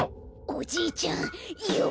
おじいちゃんよし！